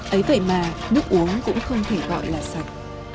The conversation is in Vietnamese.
ấy vậy mà nước uống cũng không thể gọi là sạch